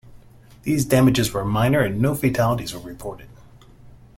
These damages were minor, and no fatalities were reported.